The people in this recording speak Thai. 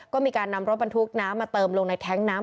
ก็มีการนำรถบรรทุกน้ำมาเติมลงในแท้งน้ำ